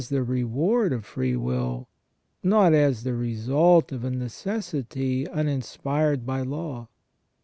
the reward of free will, not as the result of a necessity uninspired by law.